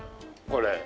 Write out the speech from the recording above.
これ。